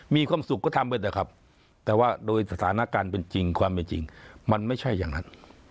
มีความสุขก็ทำไปเถอะครับแต่ว่าโดยสถานการณ์เป็นจริงความเป็นจริงมันไม่ใช่อย่างนั้น